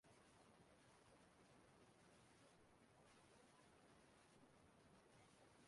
nke Enugwu Otu Aguleri